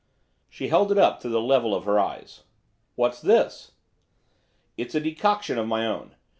She held it up to the level of her eyes. 'What's this?' 'It's a decoction of my own.